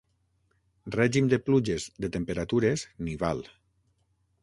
Règim de pluges, de temperatures, nival.